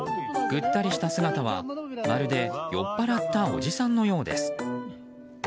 ぐったりした姿は、まるで酔っぱらったおじさんのようです。